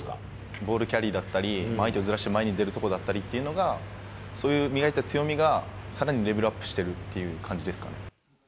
ボールキャリーだったり、相手をずらして前に出るところだったりっていうのが、そういう磨いた強みが、さらにレベルアップしてるっていう感じですかね。